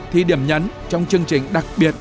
thì điểm nhấn trong chương trình đặc biệt